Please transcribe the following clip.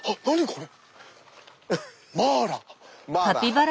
これ。